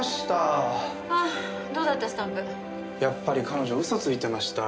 やっぱり彼女嘘ついてました。